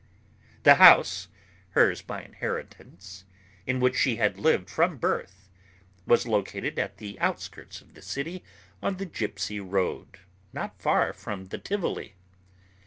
The house, hers by inheritance, in which she had lived from birth, was located at the outskirts of the city on the Gypsy Road, not far from the Tivoli.